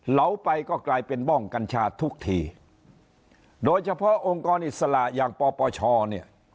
เหลาไปก็กลายเป็นบ้องกัญชาทุกทีโดยเฉพาะองค์กรอิสระอย่างปปชเนี่ย